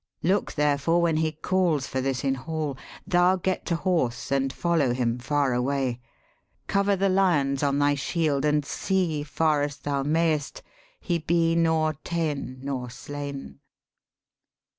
Look therefore when he calls for this in hall, Thou get to horse and follow him far away. Cover the lions on thy shield, and see, Far as thou mayest, he be nor ta'en nor slain.'